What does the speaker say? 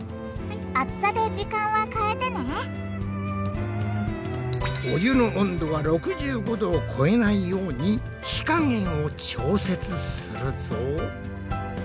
厚さで時間は変えてねお湯の温度は６５℃を超えないように火加減を調節するぞ！